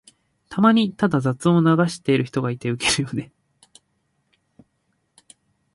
たまにただ雑音を流してる人がいてウケるよね。